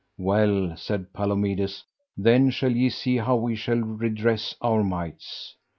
Well, said Palomides, then shall ye see how we shall redress our mights.